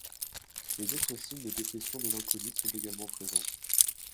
Les autres signes de dépression mélancolique sont également présents.